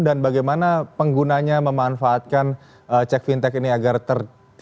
dan bagaimana penggunanya memanfaatkan cekfintech ini agar terdapat